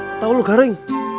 ketahuan lu garing